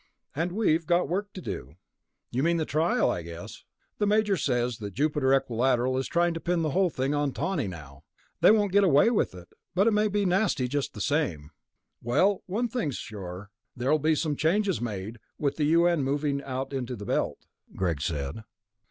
"And we've got work to do." "You mean the trial? I guess. The Major says that Jupiter Equilateral is trying to pin the whole thing on Tawney now. They won't get away with it, but it may be nasty just the same." "Well, one thing's sure ... there'll be some changes made, with the U.N. moving out into the Belt," Greg said.